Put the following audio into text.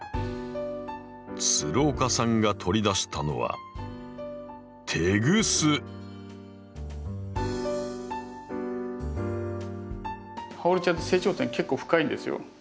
岡さんが取り出したのはハオルチアって成長点結構深いんですよ。